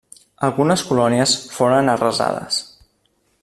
Algunes colònies foren arrasades.